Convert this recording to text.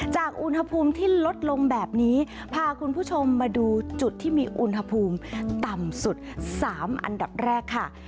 จากอุณหภูมิที่ลดลงแบบนี้พาคุณผู้ชมมาดูจุดที่มีอุณหภูมิต่ำสุด๓อันดับแรกค่ะ